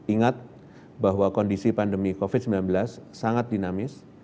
ingat bahwa kondisi pandemi covid sembilan belas sangat dinamis